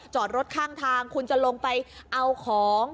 จอดรถข้างทางคุณจะลงไปเอาของ